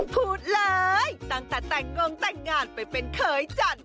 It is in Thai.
พูดเลยตั้งแต่แต่งกงแต่งงานไปเป็นเคยจันท